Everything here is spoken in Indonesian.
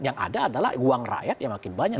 yang ada adalah uang rakyat yang makin banyak